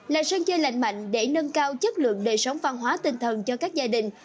là sân chơi lành mạnh để nâng cao chất lượng đời sống văn hóa tinh thần cho các gia đình